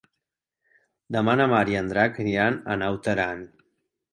Demà na Mar i en Drac iran a Naut Aran.